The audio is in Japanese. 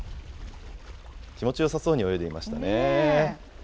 気持ちよさそうに泳いでいましたね。